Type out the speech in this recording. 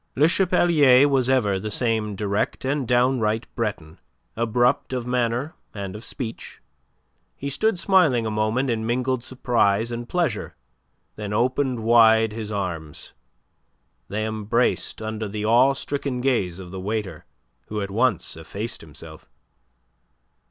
Le Chapelier was ever the same direct and downright Breton, abrupt of manner and of speech. He stood smiling a moment in mingled surprise and pleasure; then opened wide his arms. They embraced under the awe stricken gaze of the waiter, who at once effaced himself.